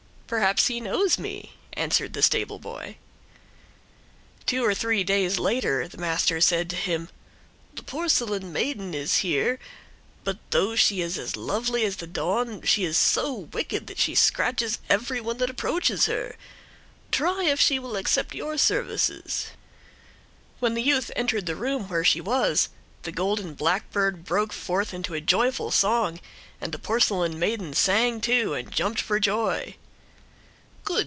"Perhaps he knows me," answered the stableboy. Two or three days later the master said to him: "The porcelain maiden is here; but though she is as lovely as the dawn, she is so wicked that she scratches every one that approaches her. Try if she will accept your services." When the youth entered the room where she was the golden blackbird broke forth into a joyful song, and the porcelain maiden sang too and jumped for joy.